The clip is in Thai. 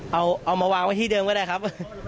เอามาวางไว้ที่เดิมก็ได้ครับ